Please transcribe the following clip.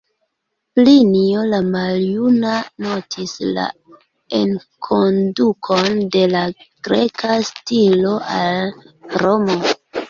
Plinio la maljuna notis la enkondukon de la greka stilo al Romo.